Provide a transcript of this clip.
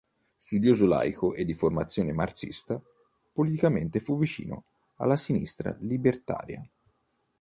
Studioso laico e di formazione marxista, politicamente fu vicino alla sinistra libertaria.